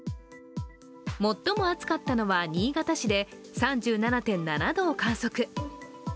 最も暑かったのは新潟市で３７．７度を観測。